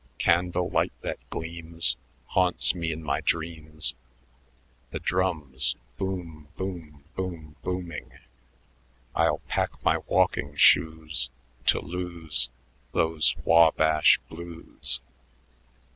"Can dle light that gleams Haunts me in my dreams..." The drums boom, boom, boom, booming "I'll pack my walking shoes, to lose those Wa bash Blues..."